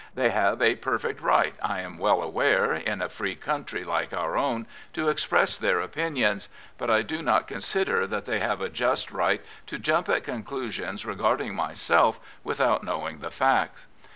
They have a perfect right. 1 am well aware, in a free country like our own, to express their opinions, but I do not consider that they have a just right to jump at conclusions regarding m3rself without knowing the facts.